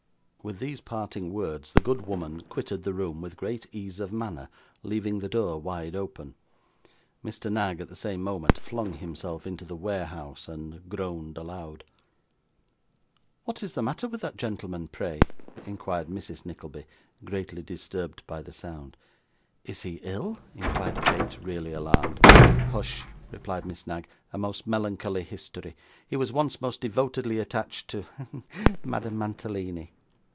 With these parting words, the good woman quitted the room with great ease of manner, leaving the door wide open; Mr. Knag, at the same moment, flung himself into the 'warehouse,' and groaned aloud. 'What is the matter with that gentleman, pray?' inquired Mrs. Nickleby, greatly disturbed by the sound. 'Is he ill?' inquired Kate, really alarmed. 'Hush!' replied Miss Knag; 'a most melancholy history. He was once most devotedly attached to hem to Madame Mantalini.